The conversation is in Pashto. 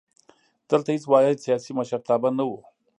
دلته هېڅ واحد سیاسي مشرتابه نه وو.